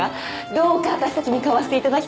どうか私たちに買わしていただきたく